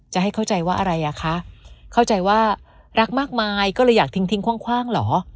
จะให้เข้าใจว่าอะไรอ่ะคะเข้าใจว่ารักมากมายก็เลยอยากทิ้งทิ้งคว่างเหรอ